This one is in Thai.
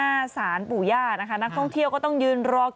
อย่าให้หนูรู้นะพี่เหมียวไปนะพรุ่งนี้